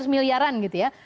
lima ratus miliaran gitu ya